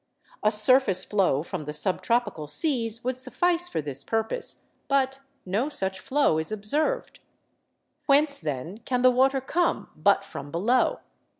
A surface flow from the sub tropical seas would suffice for this purpose, but no such flow is observed. Whence, then, can the water come but from below?